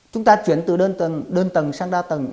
chúng ta chuyển từ tầng đơn tầng sang đa tầng